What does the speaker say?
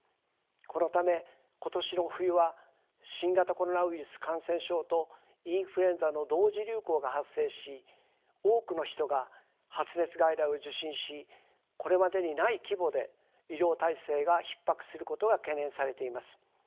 このため今年の冬は新型コロナウイルス感染症とインフルエンザの同時流行が発生し多くの人が発熱外来を受診しこれまでにない規模で医療体制がひっ迫することが懸念されています。